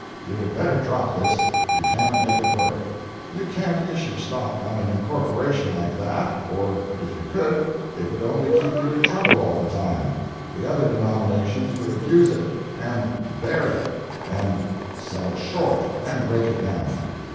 You had better drop this you can't make it work. You can't issue stock on an incorporation like that or if you could, it would only keep you in trouble all the time. The other denominations would abuse it, and "bear" it, and "sell it short," and break it down.